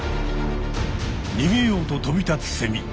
にげようと飛び立つセミ。